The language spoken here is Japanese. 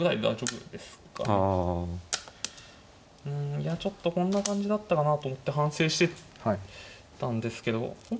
いやちょっとこんな感じだったかなと思って反省してたんですけど。